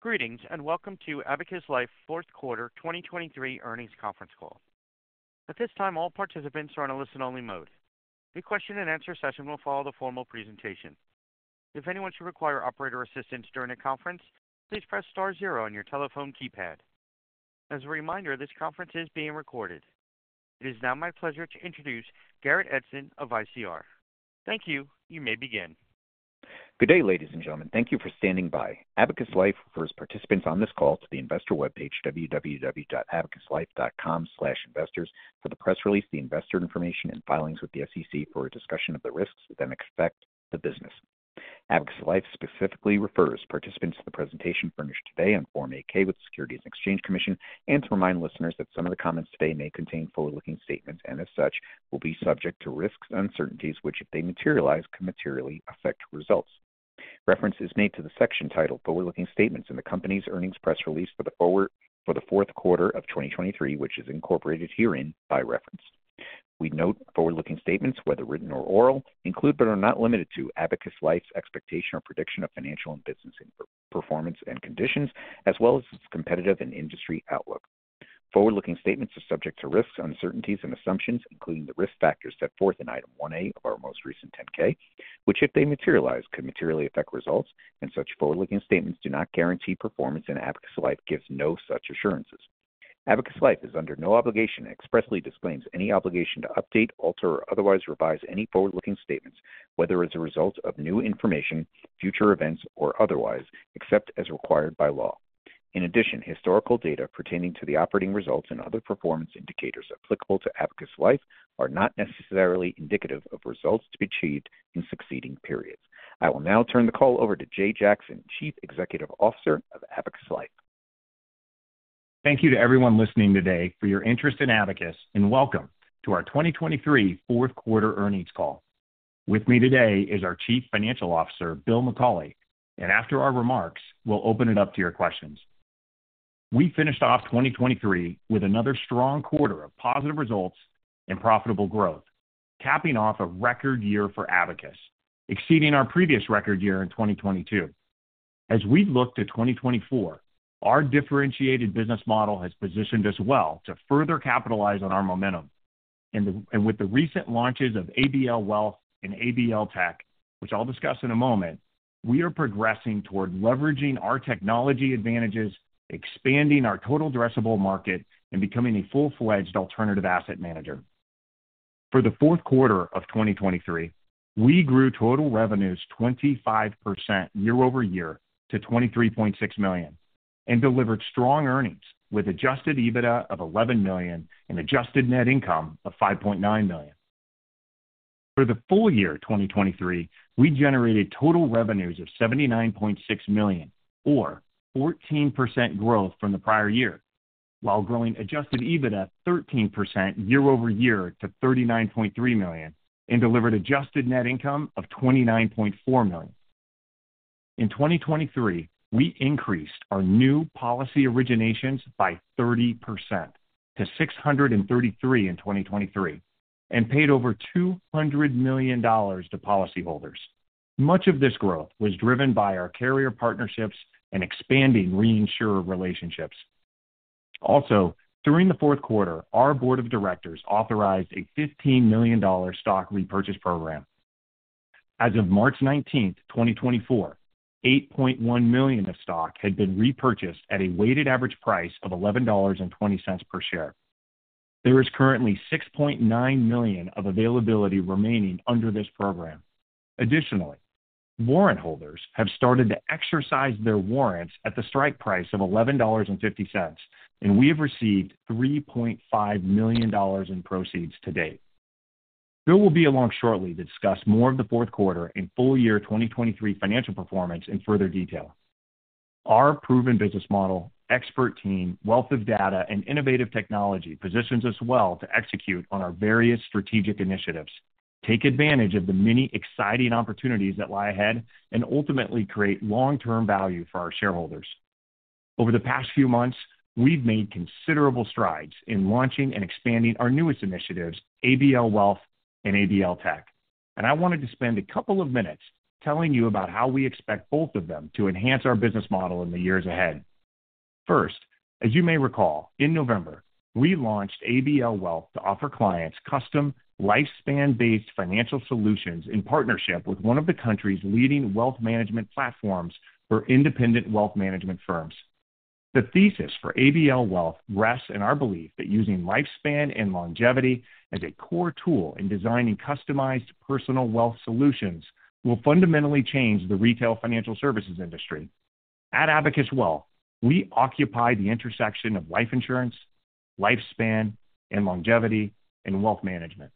Greetings, and welcome to Abacus Life Fourth Quarter 2023 Earnings Conference Call. At this time, all participants are in a listen-only mode. The question and answer session will follow the formal presentation. If anyone should require operator assistance during the conference, please press star zero on your telephone keypad. As a reminder, this conference is being recorded. It is now my pleasure to introduce Garrett Edson of ICR. Thank you. You may begin. Good day, ladies and gentlemen. Thank you for standing by. Abacus Life refers participants on this call to the investor webpage, www.abacuslife.com/investors, for the press release, the investor information, and filings with the SEC for a discussion of the risks that may affect the business. Abacus Life specifically refers participants to the presentation furnished today on Form 8-K with the Securities and Exchange Commission, and to remind listeners that some of the comments today may contain forward-looking statements, and as such, will be subject to risks and uncertainties, which, if they materialize, could materially affect results. Reference is made to the section titled Forward-Looking Statements in the company's earnings press release for the fourth quarter of 2023, which is incorporated herein by reference. We note forward-looking statements, whether written or oral, include, but are not limited to, Abacus Life's expectation or prediction of financial and business information, performance and conditions, as well as its competitive and industry outlook. Forward-looking statements are subject to risks, uncertainties and assumptions, including the risk factors set forth in Item 1A of our most recent 10-K, which, if they materialize, could materially affect results, and such forward-looking statements do not guarantee performance, and Abacus Life gives no such assurances. Abacus Life is under no obligation and expressly disclaims any obligation to update, alter, or otherwise revise any forward-looking statements, whether as a result of new information, future events, or otherwise, except as required by law. In addition, historical data pertaining to the operating results and other performance indicators applicable to Abacus Life are not necessarily indicative of results to be achieved in succeeding periods. I will now turn the call over to Jay Jackson, Chief Executive Officer of Abacus Life. Thank you to everyone listening today for your interest in Abacus, and welcome to our 2023 fourth quarter earnings call. With me today is our Chief Financial Officer, Bill McCauley, and after our remarks, we'll open it up to your questions. We finished off 2023 with another strong quarter of positive results and profitable growth, capping off a record year for Abacus, exceeding our previous record year in 2022. As we look to 2024, our differentiated business model has positioned us well to further capitalize on our momentum. And with the recent launches of ABL Wealth and ABL Tech, which I'll discuss in a moment, we are progressing toward leveraging our technology advantages, expanding our total addressable market, and becoming a full-fledged alternative asset manager. For the fourth quarter of 2023, we grew total revenues 25% year-over-year to $23.6 million, and delivered strong earnings with Adjusted EBITDA of $11 million and adjusted net income of $5.9 million. For the full year 2023, we generated total revenues of $79.6 million, or 14% growth from the prior year, while growing Adjusted EBITDA 13% year-over-year to $39.3 million and delivered adjusted net income of $29.4 million. In 2023, we increased our new policy originations by 30% to 633 in 2023 and paid over $200 million to policyholders. Much of this growth was driven by our carrier partnerships and expanding reinsurer relationships. Also, during the fourth quarter, our board of directors authorized a $15 million stock repurchase program. As of March 19th, 2024, 8.1 million of stock had been repurchased at a weighted average price of $11.20 per share. There is currently 6.9 million of availability remaining under this program. Additionally, warrant holders have started to exercise their warrants at the strike price of $11.50, and we have received $3.5 million in proceeds to date. Bill will be along shortly to discuss more of the fourth quarter and full year 2023 financial performance in further detail. Our proven business model, expert team, wealth of data, and innovative technology positions us well to execute on our various strategic initiatives, take advantage of the many exciting opportunities that lie ahead, and ultimately create long-term value for our shareholders. Over the past few months, we've made considerable strides in launching and expanding our newest initiatives, ABL Wealth and ABL Tech, and I wanted to spend a couple of minutes telling you about how we expect both of them to enhance our business model in the years ahead. First, as you may recall, in November, we launched ABL Wealth to offer clients custom, lifespan-based financial solutions in partnership with one of the country's leading wealth management platforms for independent wealth management firms. The thesis for ABL Wealth rests in our belief that using lifespan and longevity as a core tool in designing customized personal wealth solutions will fundamentally change the retail financial services industry. At ABL Wealth, we occupy the intersection of life insurance, lifespan and longevity, and wealth management.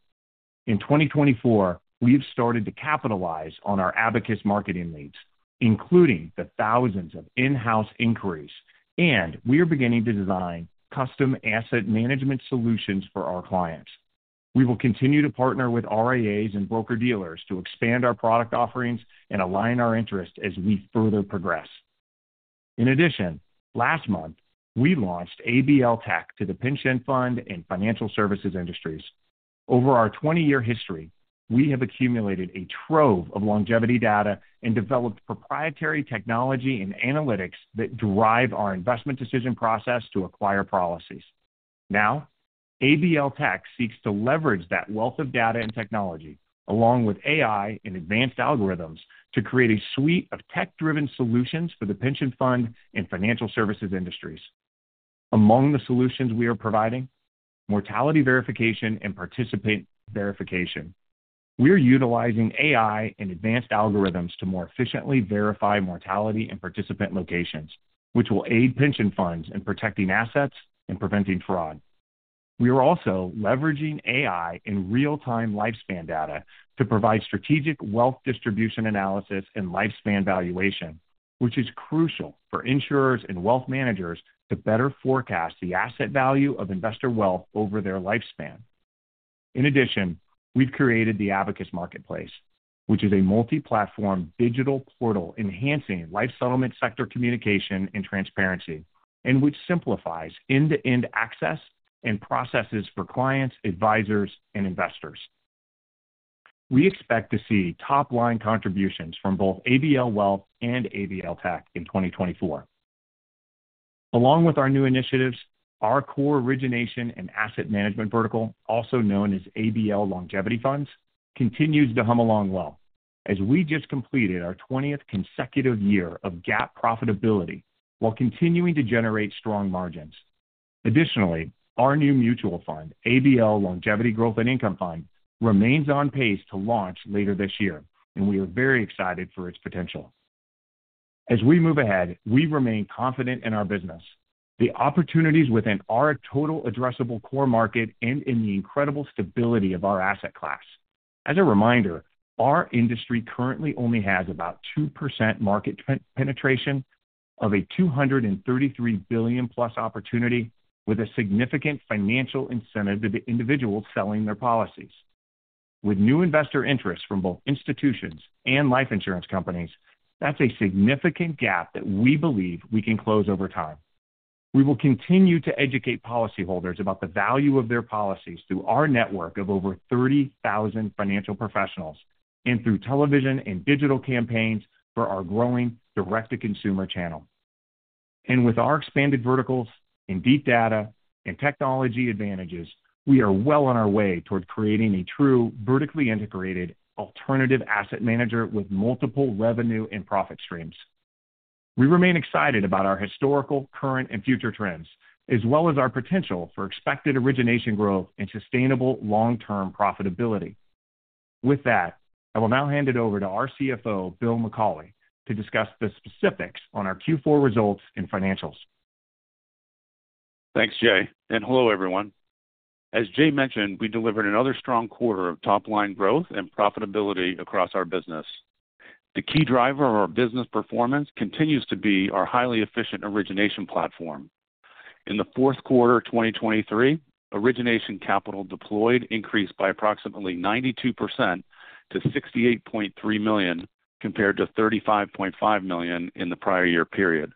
In 2024, we've started to capitalize on our Abacus marketing leads, including the thousands of in-house inquiries, and we are beginning to design custom asset management solutions for our clients. We will continue to partner with RIAs and broker-dealers to expand our product offerings and align our interests as we further progress. In addition, last month, we launched ABL Tech to the pension fund and financial services industries. Over our 20-year history, we have accumulated a trove of longevity data and developed proprietary technology and analytics that drive our investment decision process to acquire policies. Now, ABL Tech seeks to leverage that wealth of data and technology, along with AI and advanced algorithms, to create a suite of tech-driven solutions for the pension fund and financial services industries. Among the solutions we are providing, mortality verification and participant verification. We are utilizing AI and advanced algorithms to more efficiently verify mortality and participant locations, which will aid pension funds in protecting assets and preventing fraud. We are also leveraging AI and real-time lifespan data to provide strategic wealth distribution analysis and lifespan valuation, which is crucial for insurers and wealth managers to better forecast the asset value of investor wealth over their lifespan. In addition, we've created the Abacus Marketplace, which is a multi-platform digital portal enhancing life settlement, sector communication, and transparency, and which simplifies end-to-end access and processes for clients, advisors, and investors. We expect to see top-line contributions from both ABL Wealth and ABL Tech in 2024. Along with our new initiatives, our core origination and asset management vertical, also known as ABL Longevity Funds, continues to hum along well as we just completed our 20th consecutive year of GAAP profitability while continuing to generate strong margins. Additionally, our new mutual fund, ABL Longevity Growth and Income Fund, remains on pace to launch later this year, and we are very excited for its potential. As we move ahead, we remain confident in our business, the opportunities within our total addressable core market, and in the incredible stability of our asset class. As a reminder, our industry currently only has about 2% market penetration of a $233 billion+ opportunity, with a significant financial incentive to individuals selling their policies. With new investor interest from both institutions and life insurance companies, that's a significant gap that we believe we can close over time. We will continue to educate policyholders about the value of their policies through our network of over 30,000 financial professionals and through television and digital campaigns for our growing direct-to-consumer channel. And with our expanded verticals and deep data and technology advantages, we are well on our way toward creating a true, vertically integrated alternative asset manager with multiple revenue and profit streams. We remain excited about our historical, current, and future trends, as well as our potential for expected origination growth and sustainable long-term profitability. With that, I will now hand it over to our CFO, Bill McCauley, to discuss the specifics on our Q4 results and financials. Thanks, Jay, and hello, everyone. As Jay mentioned, we delivered another strong quarter of top-line growth and profitability across our business. The key driver of our business performance continues to be our highly efficient origination platform. In the fourth quarter of 2023, origination capital deployed increased by approximately 92% to $68.3 million, compared to $35.5 million in the prior year period,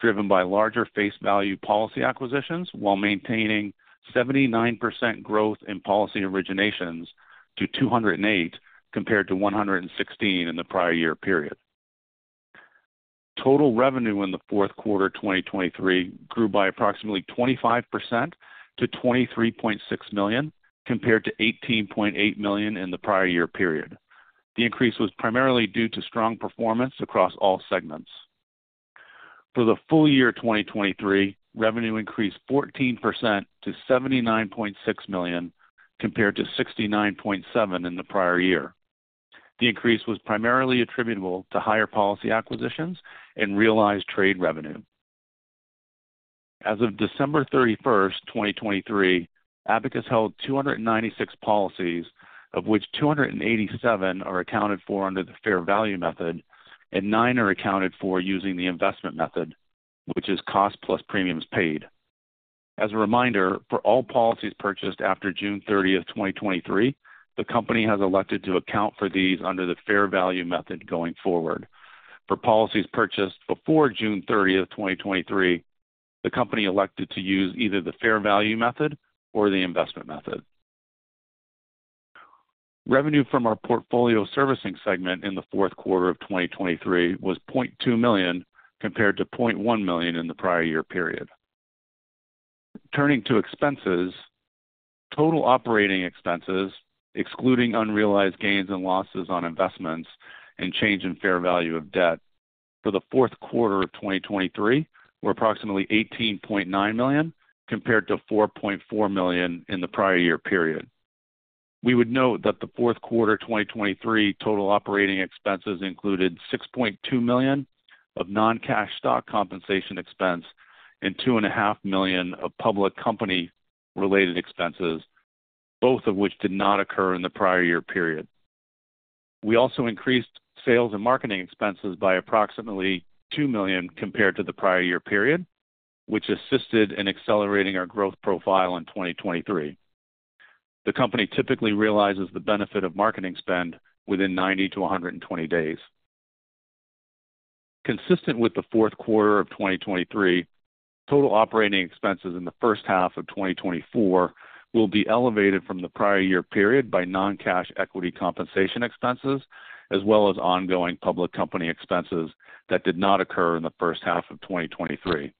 driven by larger face value policy acquisitions, while maintaining 79% growth in policy originations to 208, compared to 116 in the prior year period. Total revenue in the fourth quarter 2023 grew by approximately 25% to $23.6 million, compared to $18.8 million in the prior year period. The increase was primarily due to strong performance across all segments. For the full year of 2023, revenue increased 14% to $79.6 million, compared to $69.7 million in the prior year. The increase was primarily attributable to higher policy acquisitions and realized trade revenue. As of December 31, 2023, Abacus held 296 policies, of which 287 are accounted for under the fair value method, and 9 are accounted for using the investment method, which is cost plus premiums paid. As a reminder, for all policies purchased after June 30, 2023, the company has elected to account for these under the fair value method going forward. For policies purchased before June 30, 2023, the company elected to use either the fair value method or the investment method. Revenue from our portfolio servicing segment in the fourth quarter of 2023 was $0.2 million, compared to $0.1 million in the prior year period. Turning to expenses, total operating expenses, excluding unrealized gains and losses on investments and change in fair value of debt for the fourth quarter of 2023, were approximately $18.9 million, compared to $4.4 million in the prior year period. We would note that the fourth quarter 2023 total operating expenses included $6.2 million of non-cash stock compensation expense and $2.5 million of public company-related expenses, both of which did not occur in the prior year period. We also increased sales and marketing expenses by approximately $2 million compared to the prior year period, which assisted in accelerating our growth profile in 2023. The company typically realizes the benefit of marketing spend within 90-120 days... Consistent with the fourth quarter of 2023, total operating expenses in the first half of 2024 will be elevated from the prior year period by non-cash equity compensation expenses, as well as ongoing public company expenses that did not occur in the first half of 2023.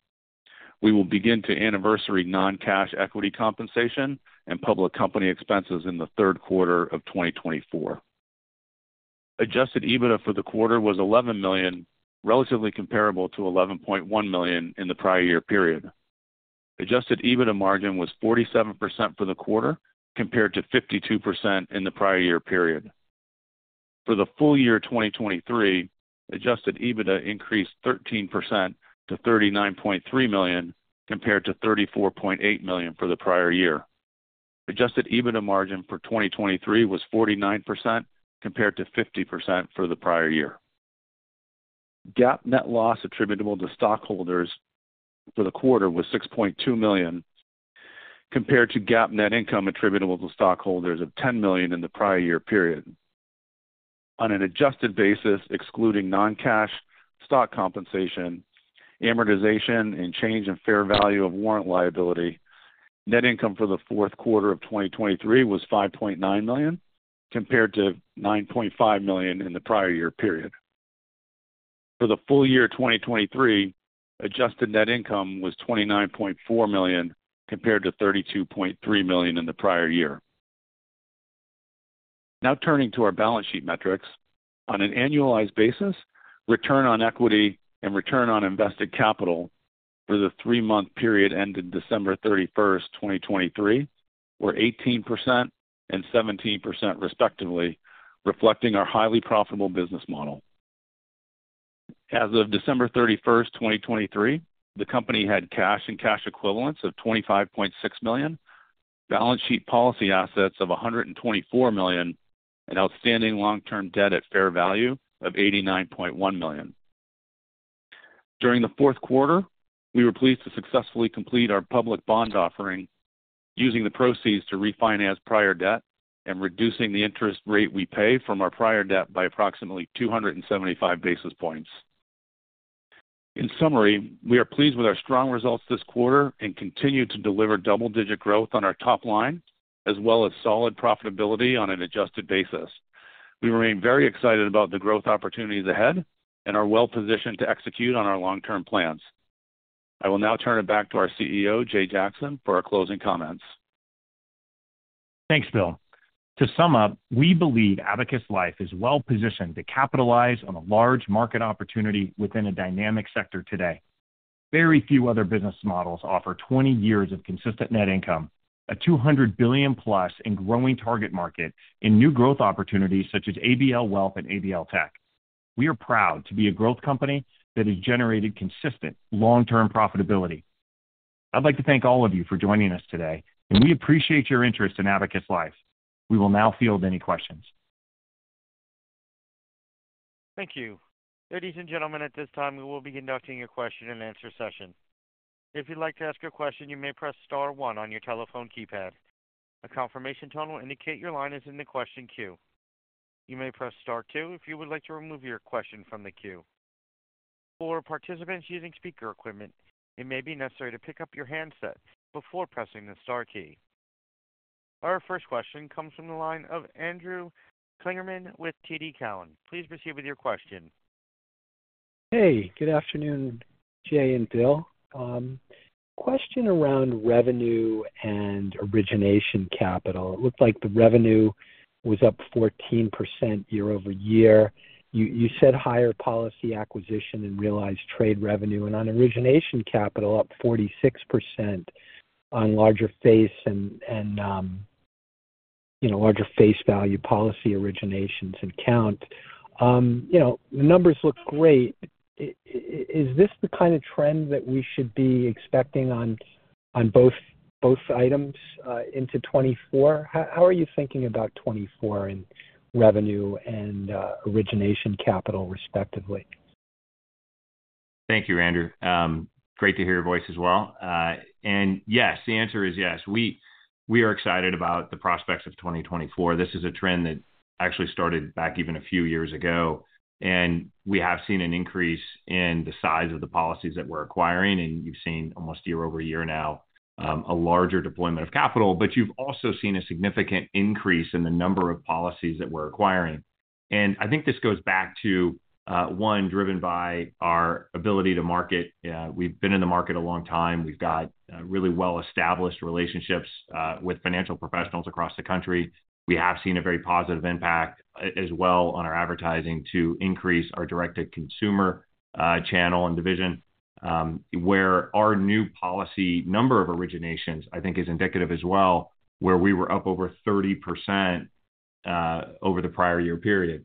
We will begin to anniversary non-cash equity compensation and public company expenses in the third quarter of 2024. Adjusted EBITDA for the quarter was $11 million, relatively comparable to $11.1 million in the prior year period. Adjusted EBITDA margin was 47% for the quarter, compared to 52% in the prior year period. For the full year 2023, adjusted EBITDA increased 13% to $39.3 million, compared to $34.8 million for the prior year. Adjusted EBITDA margin for 2023 was 49%, compared to 50% for the prior year. GAAP net loss attributable to stockholders for the quarter was $6.2 million, compared to GAAP net income attributable to stockholders of $10 million in the prior year period. On an adjusted basis, excluding non-cash stock compensation, amortization, and change in fair value of warrant liability, net income for the fourth quarter of 2023 was $5.9 million, compared to $9.5 million in the prior year period. For the full year 2023, adjusted net income was $29.4 million, compared to $32.3 million in the prior year. Now turning to our balance sheet metrics. On an annualized basis, return on equity and return on invested capital for the three-month period ended December 31, 2023, were 18% and 17%, respectively, reflecting our highly profitable business model. As of December 31, 2023, the company had cash and cash equivalents of $25.6 million, balance sheet policy assets of $124 million, and outstanding long-term debt at fair value of $89.1 million. During the fourth quarter, we were pleased to successfully complete our public bond offering, using the proceeds to refinance prior debt and reducing the interest rate we pay from our prior debt by approximately 275 basis points. In summary, we are pleased with our strong results this quarter and continue to deliver double-digit growth on our top line, as well as solid profitability on an adjusted basis. We remain very excited about the growth opportunities ahead and are well-positioned to execute on our long-term plans. I will now turn it back to our CEO, Jay Jackson, for our closing comments. Thanks, Bill. To sum up, we believe Abacus Life is well positioned to capitalize on a large market opportunity within a dynamic sector today. Very few other business models offer 20 years of consistent net income, a $200 billion+ growing target market, in new growth opportunities such as ABL Wealth and ABL Tech. We are proud to be a growth company that has generated consistent long-term profitability. I'd like to thank all of you for joining us today, and we appreciate your interest in Abacus Life. We will now field any questions. Thank you. Ladies and gentlemen, at this time, we will be conducting a question-and-answer session. If you'd like to ask a question, you may press star one on your telephone keypad. A confirmation tone will indicate your line is in the question queue. You may press star two if you would like to remove your question from the queue. For participants using speaker equipment, it may be necessary to pick up your handset before pressing the star key. Our first question comes from the line of Andrew Kligerman with TD Cowen. Please proceed with your question. Hey, good afternoon, Jay and Bill. Question around revenue and origination capital. It looked like the revenue was up 14% year-over-year. You said higher policy acquisition and realized trade revenue, and on origination capital, up 46% on larger face and larger face value policy originations and count. You know, the numbers look great. Is this the kind of trend that we should be expecting on both items into 2024? How are you thinking about 2024 in revenue and origination capital, respectively? Thank you, Andrew. Great to hear your voice as well. And yes, the answer is yes. We, we are excited about the prospects of 2024. This is a trend that actually started back even a few years ago, and we have seen an increase in the size of the policies that we're acquiring, and you've seen almost year-over-year now, a larger deployment of capital. But you've also seen a significant increase in the number of policies that we're acquiring. And I think this goes back to, one, driven by our ability to market. We've been in the market a long time. We've got, really well-established relationships, with financial professionals across the country. We have seen a very positive impact as well on our advertising to increase our direct-to-consumer channel and division, where our new policy number of originations, I think, is indicative as well, where we were up over 30% over the prior year period.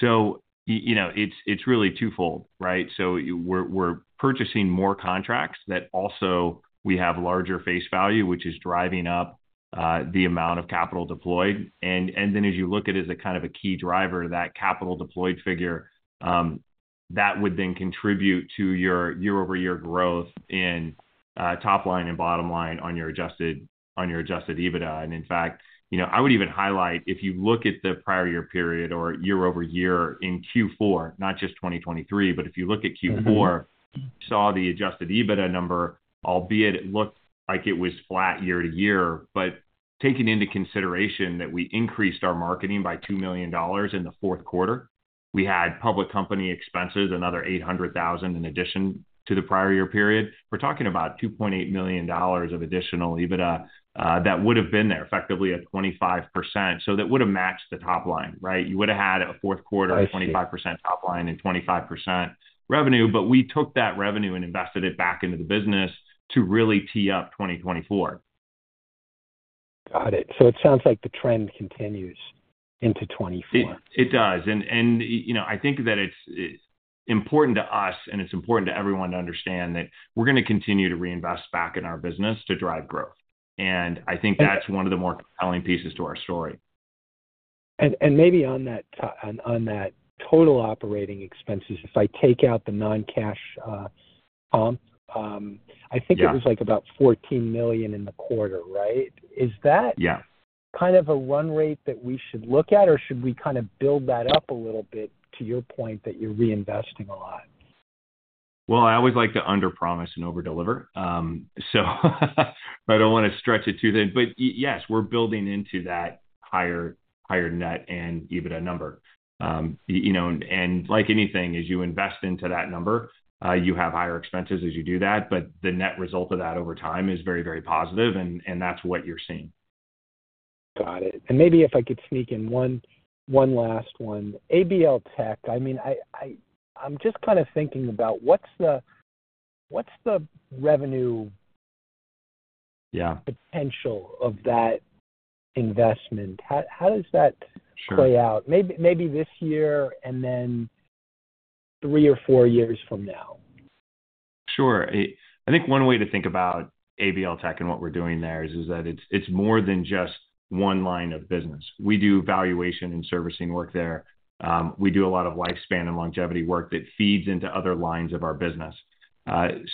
So you know, it's really twofold, right? So we're purchasing more contracts that also we have larger face value, which is driving up the amount of capital deployed. And then as you look at a kind of a key driver, that capital deployed figure, that would then contribute to your year-over-year growth in top line and bottom line on your Adjusted EBITDA. And in fact, you know, I would even highlight, if you look at the prior year period or year-over-year in Q4, not just 2023, but if you look at Q4, you saw the Adjusted EBITDA number, albeit it looked like it was flat year-to-year. But taking into consideration that we increased our marketing by $2 million in the fourth quarter, we had public company expenses, another $800,000 in addition to the prior year period. We're talking about $2.8 million of additional EBITDA, that would have been there effectively at 25%. So that would have matched the top line, right? You would have had a fourth quarter- I see. - 25% top line and 25% revenue, but we took that revenue and invested it back into the business to really tee up 2024. Got it. So it sounds like the trend continues into 2024. It does. And, you know, I think that it's important to us, and it's important to everyone to understand that we're gonna continue to reinvest back in our business to drive growth. And I think that's one of the more compelling pieces to our story. Maybe on that total operating expenses, if I take out the non-cash comp, Yeah. I think it was, like, about $14 million in the quarter, right? Is that- Yeah kind of a run rate that we should look at, or should we kind of build that up a little bit, to your point, that you're reinvesting a lot? Well, I always like to underpromise and overdeliver. So I don't wanna stretch it too thin. But yes, we're building into that higher, higher net and EBITDA number. You know, and like anything, as you invest into that number, you have higher expenses as you do that, but the net result of that over time is very, very positive, and that's what you're seeing. Got it. And maybe if I could sneak in one last one. ABL Tech, I mean, I'm just kind of thinking about what's the revenue- Yeah potential of that investment? How, how does that- Sure play out? Maybe, maybe this year and then three or four years from now. Sure. I think one way to think about ABL Tech and what we're doing there is that it's more than just one line of business. We do valuation and servicing work there. We do a lot of lifespan and longevity work that feeds into other lines of our business.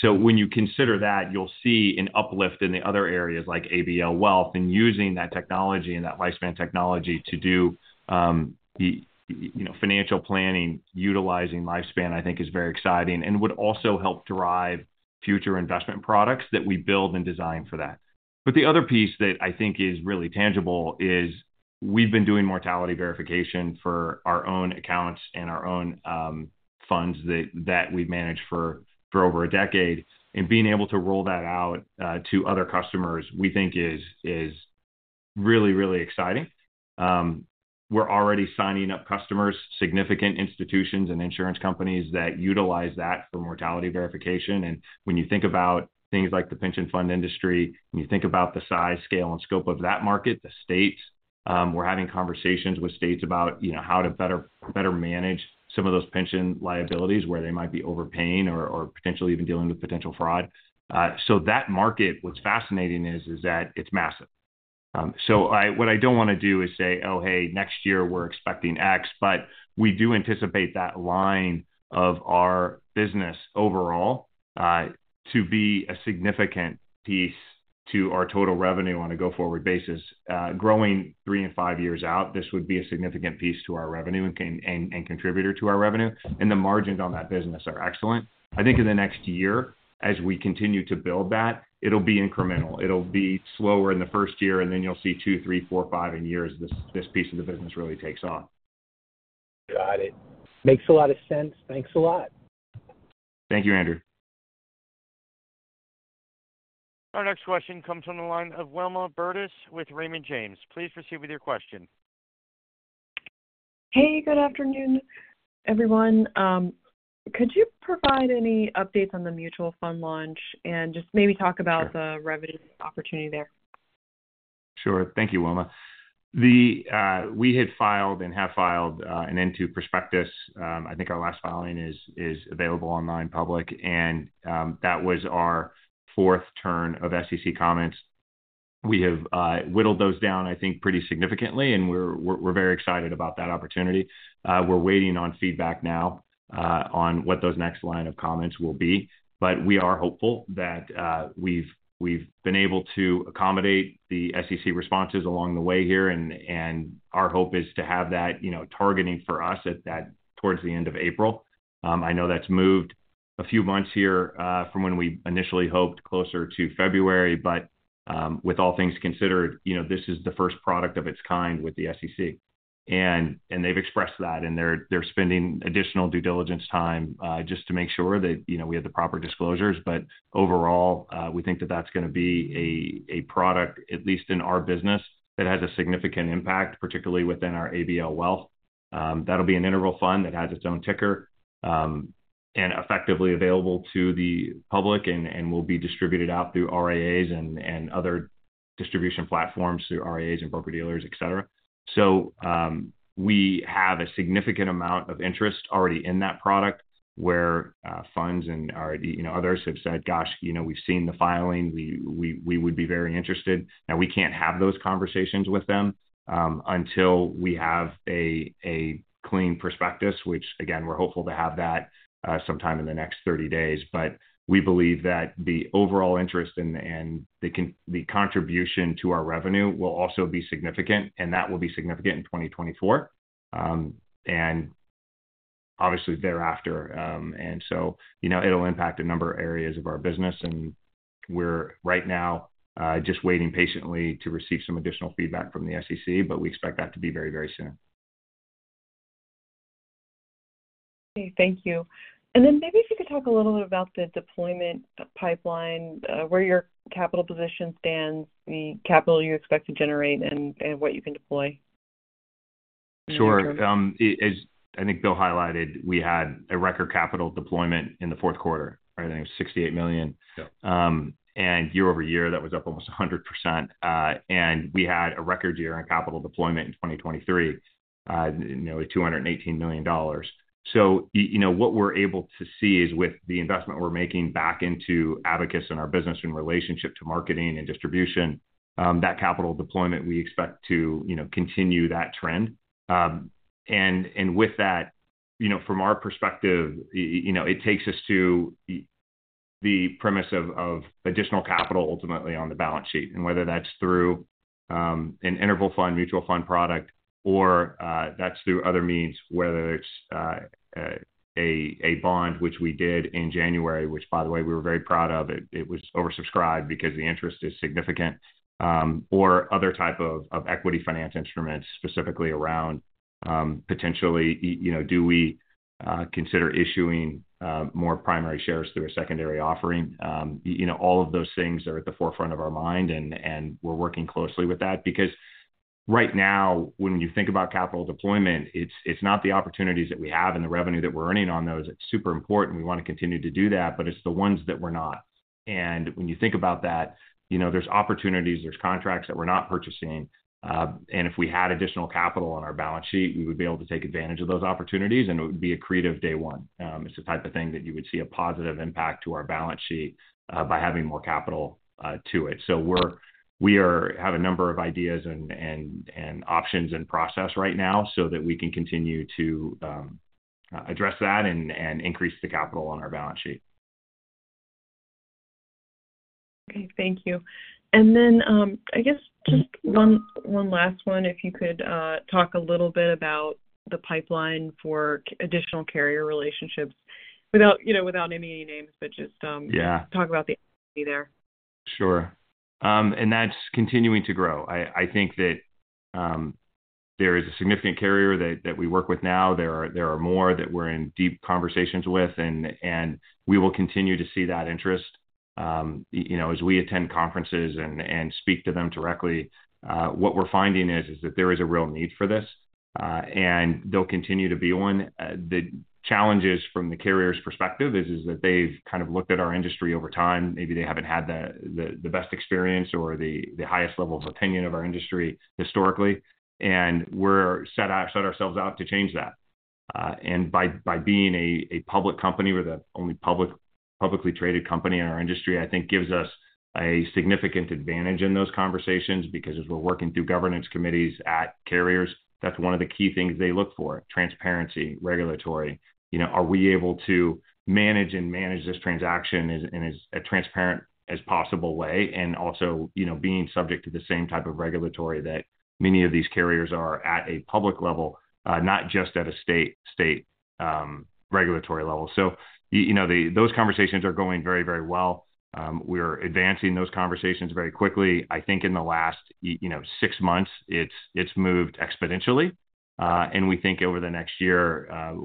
So when you consider that, you'll see an uplift in the other areas like ABL Wealth and using that technology and that lifespan technology to do the, you know, financial planning. Utilizing lifespan, I think, is very exciting and would also help drive future investment products that we build and design for that. But the other piece that I think is really tangible is, we've been doing mortality verification for our own accounts and our own funds that we've managed for over a decade. And being able to roll that out to other customers, we think is really, really exciting. We're already signing up customers, significant institutions and insurance companies that utilize that for mortality verification. And when you think about things like the pension fund industry, when you think about the size, scale, and scope of that market, the states, we're having conversations with states about, you know, how to better manage some of those pension liabilities, where they might be overpaying or potentially even dealing with potential fraud. So that market, what's fascinating is that it's massive. So what I don't wanna do is say, "Oh, hey, next year we're expecting X," but we do anticipate that line of our business overall to be a significant piece to our total revenue on a go-forward basis. Growing 3 and 5 years out, this would be a significant piece to our revenue and contributor to our revenue, and the margins on that business are excellent. I think in the next year, as we continue to build that, it'll be incremental. It'll be slower in the first year, and then you'll see 2, 3, 4, 5 years, this piece of the business really takes off. Got it. Makes a lot of sense. Thanks a lot. Thank you, Andrew. Our next question comes from the line of Wilma Burdis with Raymond James. Please proceed with your question. Hey, good afternoon, everyone. Could you provide any updates on the mutual fund launch and just maybe talk about- Sure - the revenue opportunity there? Sure. Thank you, Wilma. We had filed and have filed an amended prospectus. I think our last filing is available online, public, and that was our fourth round of SEC comments. We have whittled those down, I think, pretty significantly, and we're very excited about that opportunity. We're waiting on feedback now on what those next round of comments will be. But we are hopeful that we've been able to accommodate the SEC responses along the way here, and our hope is to have that, you know, targeting for us at that towards the end of April. I know that's moved a few months here from when we initially hoped, closer to February, but with all things considered, you know, this is the first product of its kind with the SEC. They've expressed that, and they're spending additional due diligence time just to make sure that, you know, we have the proper disclosures. But overall, we think that that's gonna be a product, at least in our business, that has a significant impact, particularly within our ABL Wealth. That'll be an interval fund that has its own ticker, and effectively available to the public and will be distributed out through RIAs and other distribution platforms, through RIAs and broker-dealers, et cetera. So, we have a significant amount of interest already in that product, where funds have already, you know, others have said, "Gosh, you know, we've seen the filing. We would be very interested." Now, we can't have those conversations with them until we have a clean prospectus, which again, we're hopeful to have that sometime in the next 30 days. But we believe that the overall interest and the contribution to our revenue will also be significant, and that will be significant in 2024 and obviously thereafter. And so, you know, it'll impact a number of areas of our business, and we're right now just waiting patiently to receive some additional feedback from the SEC, but we expect that to be very, very soon. Okay, thank you. And then maybe if you could talk a little bit about the deployment pipeline, where your capital position stands, the capital you expect to generate, and what you can deploy? Sure. As I think Bill highlighted, we had a record capital deployment in the fourth quarter. I think it was $68 million. Yeah. And year-over-year, that was up almost 100%. And we had a record year on capital deployment in 2023, you know, $218 million. So you know, what we're able to see is with the investment we're making back into Abacus and our business in relationship to marketing and distribution, that capital deployment, we expect to, you know, continue that trend. And with that, you know, from our perspective, you know, it takes us to the premise of additional capital ultimately on the balance sheet. And whether that's through an interval fund, mutual fund product, or that's through other means, whether it's a bond, which we did in January, which by the way, we were very proud of it. It was oversubscribed because the interest is significant, or other type of equity finance instruments, specifically around, potentially, you know, do we consider issuing more primary shares through a secondary offering? You know, all of those things are at the forefront of our mind, and we're working closely with that. Because right now, when you think about capital deployment, it's not the opportunities that we have and the revenue that we're earning on those. It's super important, we want to continue to do that, but it's the ones that we're not. And when you think about that, you know, there's opportunities, there's contracts that we're not purchasing, and if we had additional capital on our balance sheet, we would be able to take advantage of those opportunities, and it would be accretive day one. It's the type of thing that you would see a positive impact to our balance sheet by having more capital to it. So we have a number of ideas and options in process right now so that we can continue to address that and increase the capital on our balance sheet. Okay, thank you. And then, I guess just one last one, if you could talk a little bit about the pipeline for additional carrier relationships without, you know, without naming any names, but just, Yeah talk about the there. Sure. And that's continuing to grow. I think that there is a significant carrier that we work with now. There are more that we're in deep conversations with, and we will continue to see that interest. You know, as we attend conferences and speak to them directly, what we're finding is that there is a real need for this, and there'll continue to be one. The challenges from the carrier's perspective is that they've kind of looked at our industry over time. Maybe they haven't had the best experience or the highest level of opinion of our industry historically, and we're set ourselves out to change that. And by being a public company, we're the only publicly traded company in our industry, I think gives us a significant advantage in those conversations because as we're working through governance committees at carriers, that's one of the key things they look for: transparency, regulatory. You know, are we able to manage this transaction in as a transparent as possible way, and also, you know, being subject to the same type of regulatory that many of these carriers are at a public level, not just at a state regulatory level. So, those conversations are going very, very well. We're advancing those conversations very quickly. I think in the last six months, it's moved exponentially. And we think over the next year,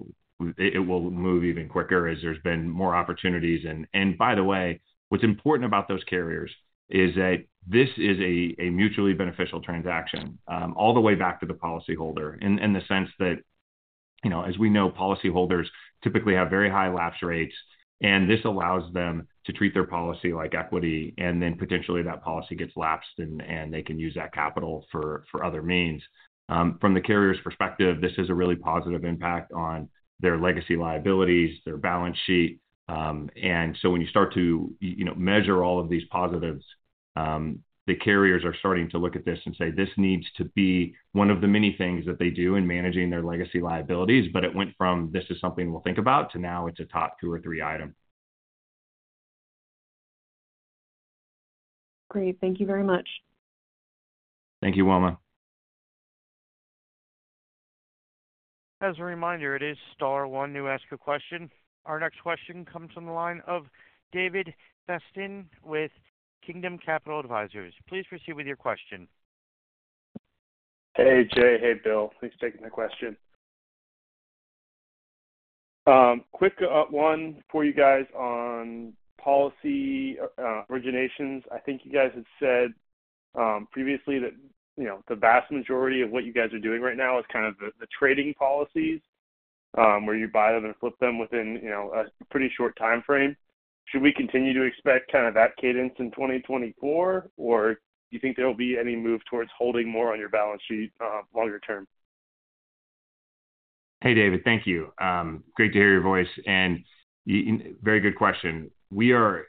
it will move even quicker as there's been more opportunities. And by the way, what's important about those carriers is that this is a mutually beneficial transaction all the way back to the policyholder, in the sense that, you know, as we know, policyholders typically have very high lapse rates, and this allows them to treat their policy like equity, and then potentially that policy gets lapsed and they can use that capital for other means. From the carrier's perspective, this is a really positive impact on their legacy liabilities, their balance sheet. and so when you start to, you know, measure all of these positives, the carriers are starting to look at this and say, "This needs to be one of the many things that they do in managing their legacy liabilities." But it went from, "This is something we'll think about," to now it's a top 2 or 3 item. Great. Thank you very much. Thank you, Wilma. As a reminder, it is star one to ask a question. Our next question comes from the line of David Bastian with Kingdom Capital Advisors. Please proceed with your question. Hey, Jay. Hey, Bill. Thanks for taking the question. Quick one for you guys on policy originations. I think you guys had said previously that, you know, the vast majority of what you guys are doing right now is kind of the trading policies where you buy them and flip them within, you know, a pretty short time frame. Should we continue to expect kind of that cadence in 2024? Or do you think there will be any move towards holding more on your balance sheet longer term? Hey, David. Thank you. Great to hear your voice, and very good question. We are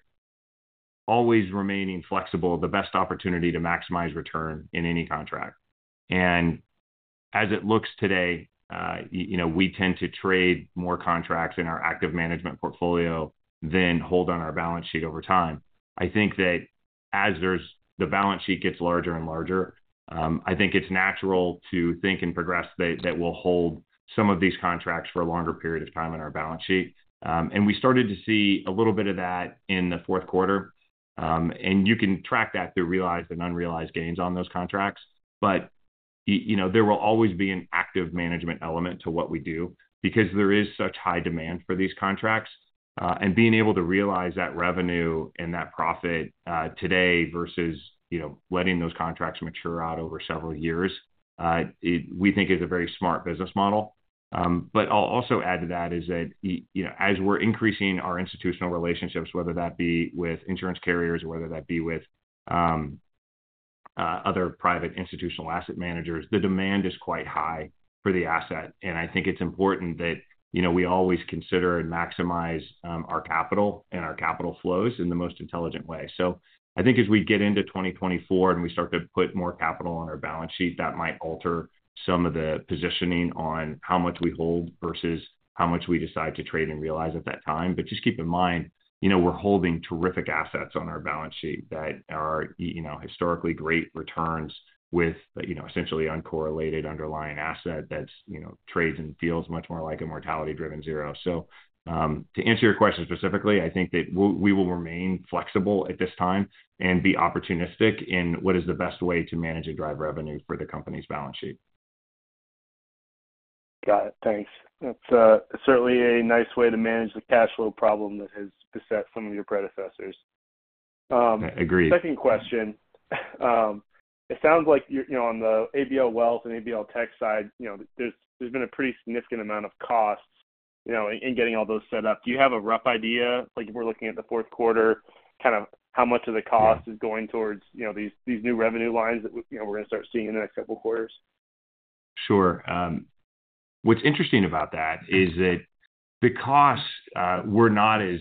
always remaining flexible, the best opportunity to maximize return in any contract. And as it looks today, you know, we tend to trade more contracts in our active management portfolio than hold on our balance sheet over time. I think that as the balance sheet gets larger and larger, I think it's natural to think and progress that, that will hold some of these contracts for a longer period of time on our balance sheet. And you can track that through realized and unrealized gains on those contracts. But, you know, there will always be an active management element to what we do because there is such high demand for these contracts. And being able to realize that revenue and that profit, today versus, you know, letting those contracts mature out over several years, we think is a very smart business model. But I'll also add to that is that, you know, as we're increasing our institutional relationships, whether that be with insurance carriers or whether that be with, other private institutional asset managers, the demand is quite high for the asset. And I think it's important that, you know, we always consider and maximize, our capital and our capital flows in the most intelligent way. So I think as we get into 2024, and we start to put more capital on our balance sheet, that might alter some of the positioning on how much we hold versus how much we decide to trade and realize at that time. But just keep in mind, you know, we're holding terrific assets on our balance sheet that are, you know, historically great returns with, you know, essentially uncorrelated underlying asset that's, you know, trades and feels much more like a mortality-driven zero. So, to answer your question specifically, I think that we will remain flexible at this time and be opportunistic in what is the best way to manage and drive revenue for the company's balance sheet. Got it. Thanks. That's certainly a nice way to manage the cash flow problem that has beset some of your predecessors. Agreed. Second question, it sounds like you're, you know, on the ABL Wealth and ABL Tech side, you know, there's been a pretty significant amount of cost, you know, in getting all those set up. Do you have a rough idea, like, if we're looking at the fourth quarter, kind of how much of the cost is going towards, you know, these new revenue lines that you know, we're going to start seeing in the next couple of quarters? Sure. What's interesting about that is that the costs were not as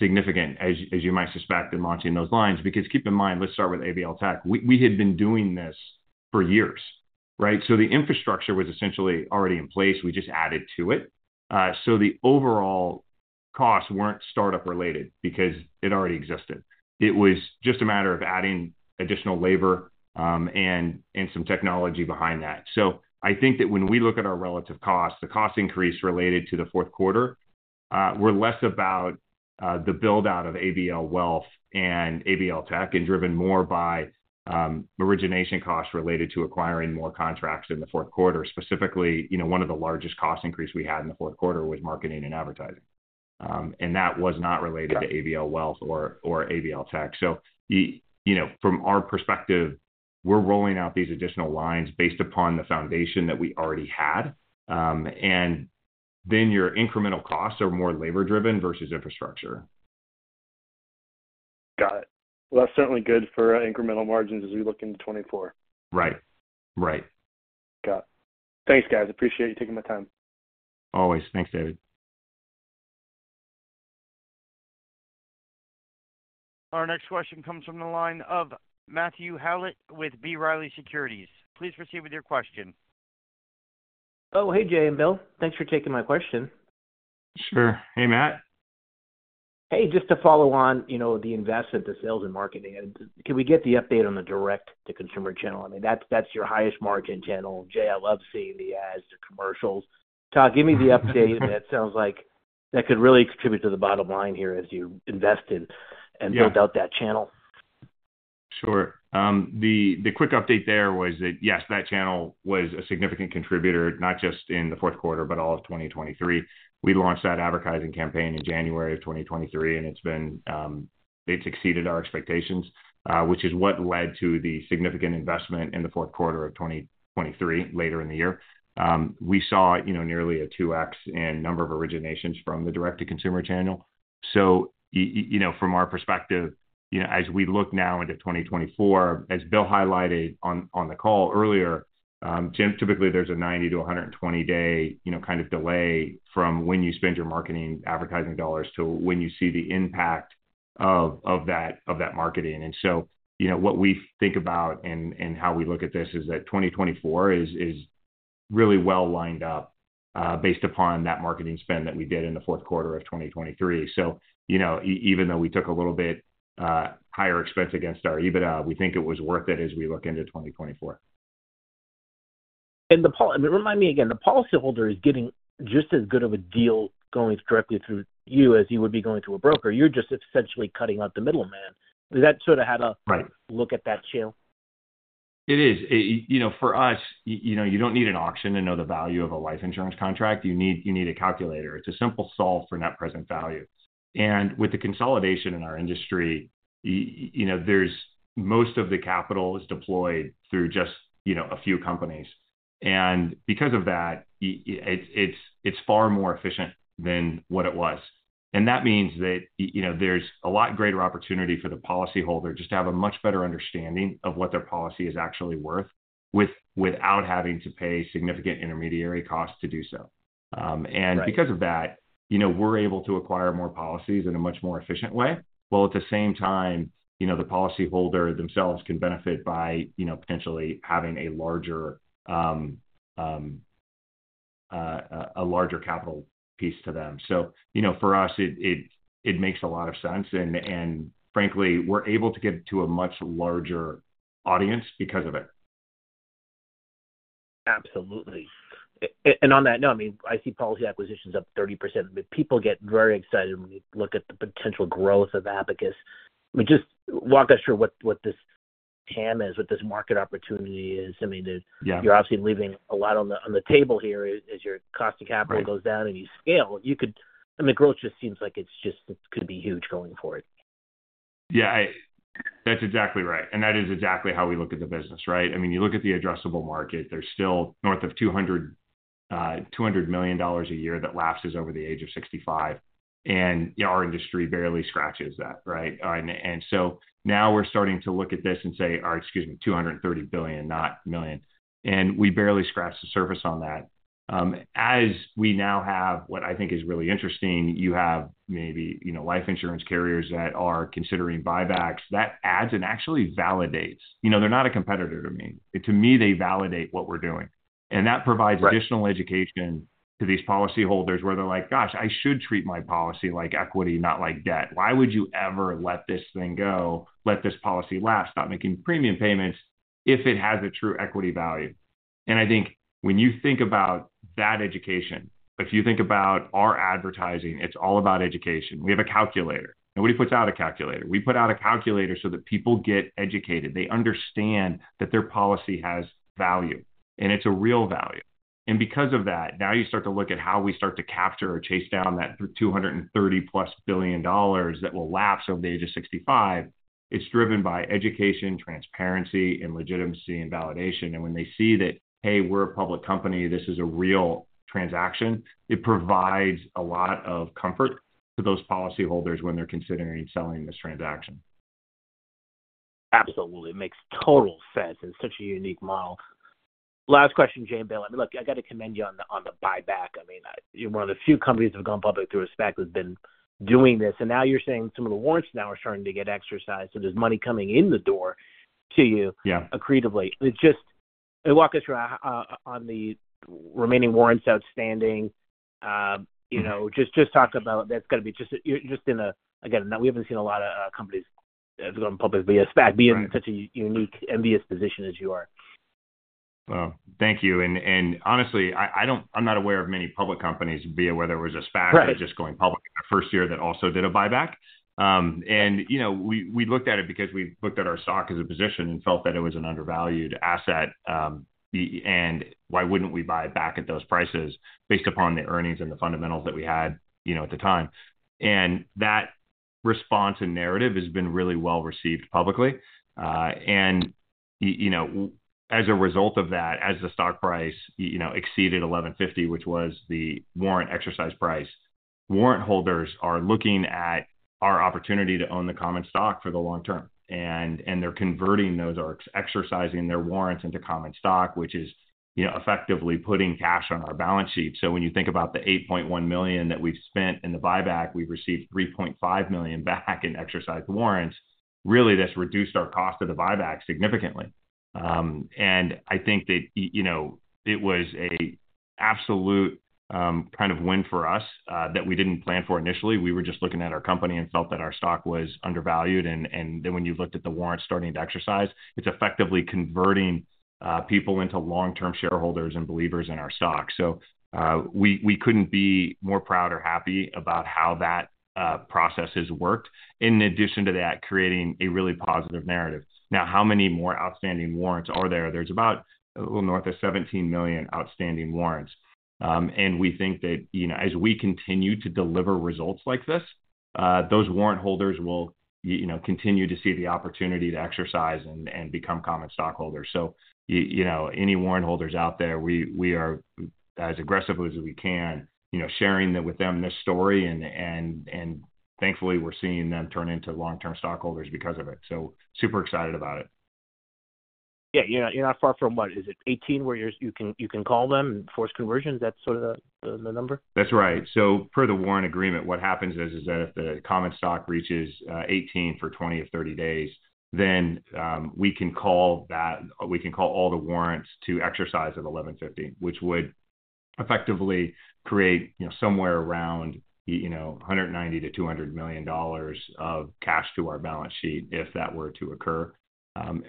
significant as you might suspect in launching those lines, because keep in mind, let's start with ABL Tech. We had been doing this for years, right? So the infrastructure was essentially already in place. We just added to it. So the overall costs weren't startup related because it already existed. It was just a matter of adding additional labor, and some technology behind that. So I think that when we look at our relative costs, the cost increase related to the fourth quarter, we're less about the build-out of ABL Wealth and ABL Tech, and driven more by origination costs related to acquiring more contracts in the fourth quarter. Specifically, you know, one of the largest cost increase we had in the fourth quarter was marketing and advertising, and that was not related to ABL Wealth or ABL Tech. So, you know, from our perspective, we're rolling out these additional lines based upon the foundation that we already had. And then your incremental costs are more labor-driven versus infrastructure. Got it. Well, that's certainly good for incremental margins as we look into 2024. Right. Right. Got it. Thanks, guys. Appreciate you taking the time. Always. Thanks, David. Our next question comes from the line of Matthew Howlett with B. Riley Securities. Please proceed with your question. Oh, hey, Jay and Bill. Thanks for taking my question. Sure. Hey, Matt. Hey, just to follow on, you know, the investment in sales and marketing. Can we get the update on the direct-to-consumer channel? I mean, that's your highest margin channel. Jay, I love seeing the ads, the commercials. Todd, give me the update. It sounds like that could really contribute to the bottom line here as you invest in- Yeah and build out that channel. Sure. The quick update there was that, yes, that channel was a significant contributor, not just in the fourth quarter, but all of 2023. We launched that advertising campaign in January of 2023, and it's been. It's exceeded our expectations, which is what led to the significant investment in the fourth quarter of 2023, later in the year. We saw, you know, nearly a 2x in number of originations from the direct-to-consumer channel. So you know, from our perspective, you know, as we look now into 2024, as Bill highlighted on the call earlier, Jim, typically, there's a 90- to 120-day, you know, kind of delay from when you spend your marketing advertising dollars to when you see the impact of that marketing. And so, you know, what we think about and how we look at this is that 2024 is really well lined up, based upon that marketing spend that we did in the fourth quarter of 2023. So, you know, even though we took a little bit higher expense against our EBITDA, we think it was worth it as we look into 2024. Remind me again, the policyholder is getting just as good of a deal going directly through you as you would be going to a broker. You're just essentially cutting out the middleman. Is that sort of how to- Right... look at that channel? It is. You know, for us, you know, you don't need an auction to know the value of a life insurance contract. You need a calculator. It's a simple solve for net present value. And with the consolidation in our industry... You know, there's most of the capital is deployed through just a few companies. And because of that, it's far more efficient than what it was. And that means that, you know, there's a lot greater opportunity for the policyholder just to have a much better understanding of what their policy is actually worth, without having to pay significant intermediary costs to do so. And- Right... because of that, you know, we're able to acquire more policies in a much more efficient way, while at the same time, you know, the policyholder themselves can benefit by, you know, potentially having a larger capital piece to them. So, you know, for us, it makes a lot of sense. And frankly, we're able to get to a much larger audience because of it. Absolutely. And on that note, I mean, I see policy acquisitions up 30%, but people get very excited when we look at the potential growth of Abacus. I mean, just walk us through what, what this TAM is, what this market opportunity is. I mean, the- Yeah... you're obviously leaving a lot on the table here. As your cost of capital- Right... goes down and you scale, you could, I mean, the growth just seems like it's just, it could be huge going forward. Yeah, That's exactly right, and that is exactly how we look at the business, right? I mean, you look at the addressable market, there's still north of 200, 200 million dollars a year that lapses over the age of 65, and, you know, our industry barely scratches that, right? And so now we're starting to look at this and say... Or excuse me, 230 billion, not million, and we barely scratched the surface on that. As we now have, what I think is really interesting, you have maybe, you know, life insurance carriers that are considering buybacks. That adds and actually validates. You know, they're not a competitor to me. To me, they validate what we're doing. Right. That provides additional education to these policyholders, where they're like: "Gosh, I should treat my policy like equity, not like debt." Why would you ever let this thing go, let this policy lapse, stop making premium payments if it has a true equity value? And I think when you think about that education, if you think about our advertising, it's all about education. We have a calculator. Nobody puts out a calculator. We put out a calculator so that people get educated. They understand that their policy has value, and it's a real value. And because of that, now you start to look at how we start to capture or chase down that $230+ billion that will lapse over the age of 65. It's driven by education, transparency, and legitimacy, and validation. When they see that, hey, we're a public company, this is a real transaction, it provides a lot of comfort to those policyholders when they're considering selling this transaction. Absolutely. It makes total sense and such a unique model. Last question, Jay and Bill. I mean, look, I gotta commend you on the buyback. I mean, you're one of the few companies that have gone public through a SPAC that have been doing this. And now you're saying some of the warrants now are starting to get exercised, so there's money coming in the door to you- Yeah... accretively. It just-- and walk us through on the remaining warrants outstanding. You know just talk about that's gonna be just, you're just in a -- again, we haven't seen a lot of companies that have gone public via SPAC- Right... being in such a unique, envious position as you are. Well, thank you. Honestly, I don't-- I'm not aware of many public companies, via whether it was a SPAC- Right... or just going public in their first year, that also did a buyback. And, you know, we looked at it because we looked at our stock as a position and felt that it was an undervalued asset. And why wouldn't we buy back at those prices based upon the earnings and the fundamentals that we had, you know, at the time? And that response and narrative has been really well-received publicly. And, you know, as a result of that, as the stock price, you know, exceeded $11.50, which was the warrant exercise price, warrant holders are looking at our opportunity to own the common stock for the long term, and they're converting those or exercising their warrants into common stock, which is, you know, effectively putting cash on our balance sheet. So when you think about the $8.1 million that we've spent in the buyback, we've received $3.5 million back in exercised warrants. Really, that's reduced our cost of the buyback significantly. And I think that, you know, it was a absolute, kind of win for us, that we didn't plan for initially. We were just looking at our company and felt that our stock was undervalued. And, and then when you looked at the warrants starting to exercise, it's effectively converting, people into long-term shareholders and believers in our stock. So, we, we couldn't be more proud or happy about how that, process has worked, in addition to that, creating a really positive narrative. Now, how many more outstanding warrants are there? There's about a little north of 17 million outstanding warrants. And we think that, you know, as we continue to deliver results like this, those warrant holders will, you know, continue to see the opportunity to exercise and become common stockholders. So you know, any warrant holders out there, we are as aggressively as we can, you know, sharing with them this story, and thankfully, we're seeing them turn into long-term stockholders because of it. So super excited about it. Yeah, you're not far from what? Is it 18, where you can call them and force conversion? Is that sort of the number? That's right. So per the warrant agreement, what happens is that if the common stock reaches 18 for 20 or 30 days, then we can call that—we can call all the warrants to exercise at $11.50, which would effectively create, you know, somewhere around $190 million-$200 million of cash to our balance sheet if that were to occur.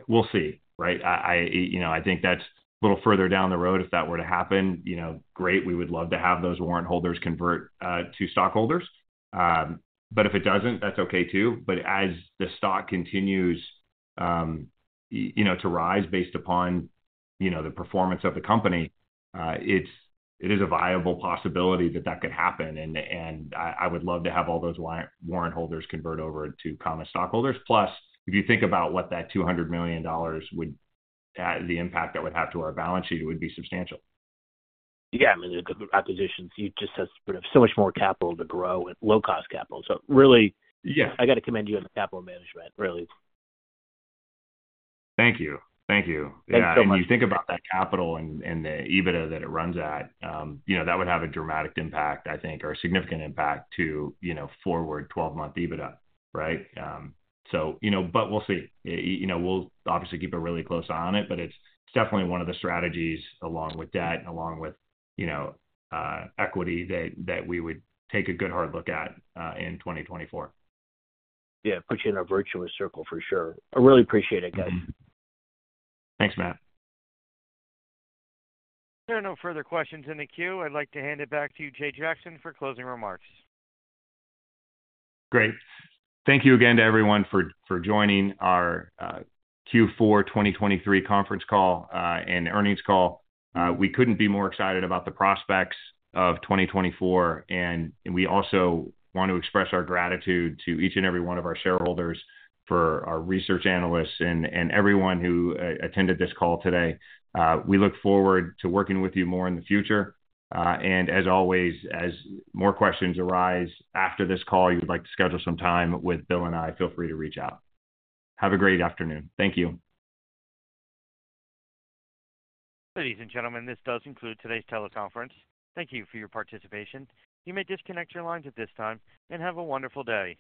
We'll see, right? I think that's a little further down the road. If that were to happen, you know, great, we would love to have those warrant holders convert to stockholders. But if it doesn't, that's okay, too. But as the stock continues, you know, to rise based upon the performance of the company, it is a viable possibility that that could happen. I would love to have all those warrant holders convert over to common stockholders. Plus, if you think about what that $200 million would, the impact that would have to our balance sheet, it would be substantial. Yeah, I mean, the acquisitions, you just have sort of so much more capital to grow and low-cost capital. So really- Yeah... I gotta commend you on the capital management, really. Thank you. Thank you. Thanks so much. Yeah, and when you think about that capital and the EBITDA that it runs at, you know, that would have a dramatic impact, I think, or a significant impact to, you know, forward 12-month EBITDA, right? So, you know, but we'll see. You know, we'll obviously keep a really close eye on it, but it's definitely one of the strategies along with debt and along with, you know, equity, that we would take a good hard look at in 2024. Yeah, put you in a virtuous circle for sure. I really appreciate it, guys. Thanks, Matt. There are no further questions in the queue. I'd like to hand it back to you, Jay Jackson, for closing remarks. Great. Thank you again to everyone for joining our Q4 2023 conference call and earnings call. We couldn't be more excited about the prospects of 2024, and we also want to express our gratitude to each and every one of our shareholders, for our research analysts, and everyone who attended this call today. We look forward to working with you more in the future. And as always, as more questions arise after this call, you'd like to schedule some time with Bill and I, feel free to reach out. Have a great afternoon. Thank you. Ladies and gentlemen, this does conclude today's teleconference. Thank you for your participation. You may disconnect your lines at this time, and have a wonderful day.